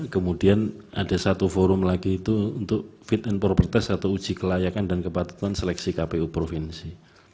kemudian ada satu forum lagi itu untuk fit and proper test atau uji kelayakan dan kepatutan seleksi kpu provinsi